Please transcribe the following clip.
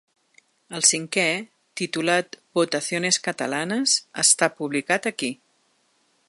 El cinquè, titulat ‘Votaciones Catalanas’, està publicat aquí.